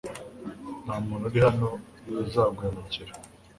Nta muntu uri hano uzaguhemukira .